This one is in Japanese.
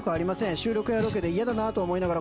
収録やロケで嫌と思いながら